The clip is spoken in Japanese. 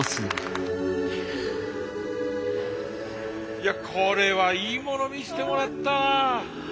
いやこれはいいもの見してもらったわ。